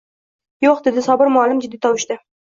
Yo‘q, dedi Sobir muallim jiddiy tovushda.